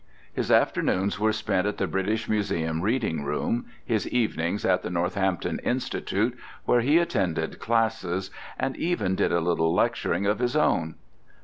His afternoons were spent at the British Museum reading room, his evenings at the Northampton Institute, where he attended classes, and even did a little lecturing of his own.